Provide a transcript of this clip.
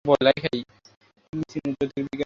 তিনি ছিলেন জ্যোতির্বিজ্ঞানী।